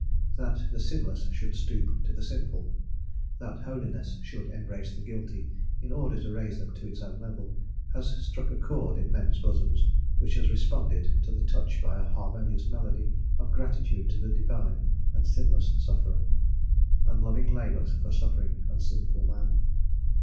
That the sinless should stoop to the sinful, that holiness should embrace the guilty in order to raise them to its own level, has struck a chord in men's bosoms which has responded to the touch by a harmonious melody of gratitude to the divine and sinless sufferer, and loving labour for suffering and sinful man.